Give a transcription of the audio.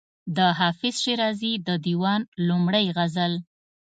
د حافظ شیرازي د دېوان لومړی غزل.